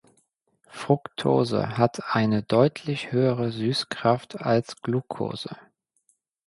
Fructose hat eine deutlich höhere Süßkraft als Glucose.